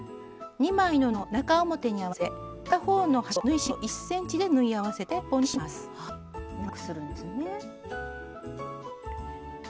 ２枚の布を中表に合わせて片方の端を縫い代１ｃｍで縫い合わせて１本にします。